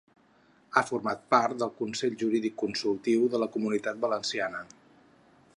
Ha format part del Consell Jurídic Consultiu de la Comunitat Valenciana.